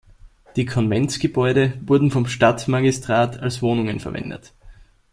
Die Konventsgebäude wurden vom Stadtmagistrat als Wohnungen verwendet.